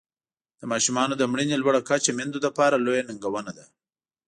د ماشومانو د مړینې لوړه کچه میندو لپاره لویه ننګونه ده.